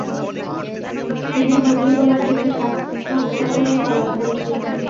তিনি গুগলি বোলারদেরকে স্বার্থকভাবে মোকাবেলা করেছিলেন।